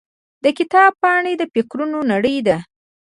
د کتاب پاڼې د فکرونو نړۍ ده.